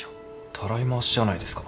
たらい回しじゃないですか。